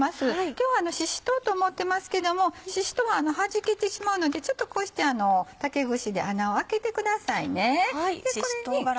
今日はしし唐と思ってますけどもしし唐がはじけてしまうのでちょっとこうして竹串で穴を開けてください。